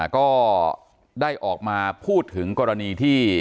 ก็ได้ออกมาพูดถึงกรณีที่